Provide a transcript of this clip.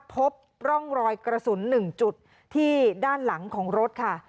พบร่องรอยกระสุน๑จุดที่ด้านหลังของรถค่ะ